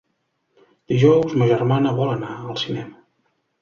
Dijous ma germana vol anar al cinema.